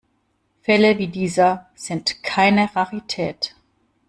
Fälle wie dieser sind keine Rarität.